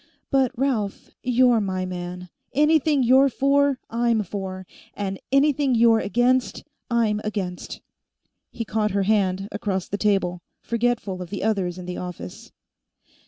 "But, Ralph, you're my man. Anything you're for, I'm for, and anything you're against, I'm against." He caught her hand, across the table, forgetful of the others in the office.